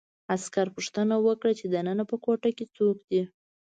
عسکر پوښتنه وکړه چې دننه په کوټه کې څوک دي